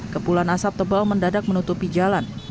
kepulan asap tebal mendadak menutupi jalan